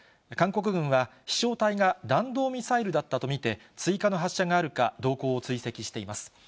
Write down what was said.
韓国軍は、飛しょう体が弾道ミサイルだったと見て、追加の発射があるか、動向を追跡しています。